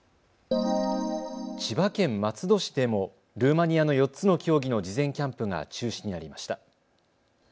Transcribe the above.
千葉県松戸市でもルーマニアの４つの競技の事前キャンプが中止になりました。